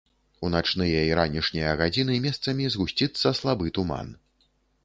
У начныя і ранішнія гадзіны месцамі згусціцца слабы туман.